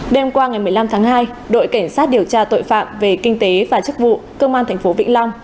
đêm qua ngày một mươi năm tháng hai đội cảnh sát điều tra tội phạm về kinh tế và chức vụ công an tp vĩnh long